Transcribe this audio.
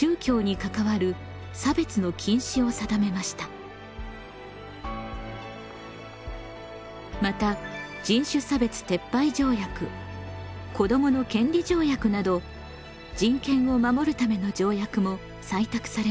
国連で１９４８年に採択されたまた人種差別撤廃条約子どもの権利条約など人権を守るための条約も採択されました。